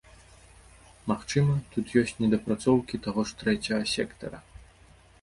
Магчыма, тут ёсць недапрацоўкі таго ж трэцяга сектара.